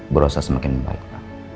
burosa semakin baik pak